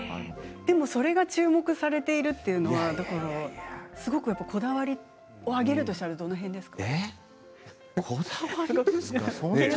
それが注目されているというのはすごく、こだわりを挙げるとしたらどの辺ですか。